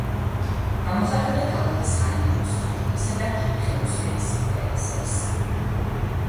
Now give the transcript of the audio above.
გამოხატავდა ქალაქის ღარიბი მოსახლეობისა და ხელოსნების ინტერესებს.